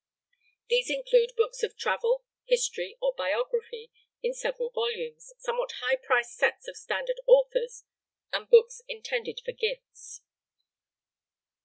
These include books of travel, history, or biography in several volumes, somewhat high priced sets of standard authors, and books intended for gifts.